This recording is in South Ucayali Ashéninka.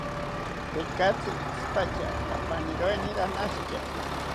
Tekatzi itzipatya apaniroeni ranashita